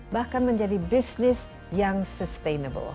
bahkan menjadi bisnis yang sustainable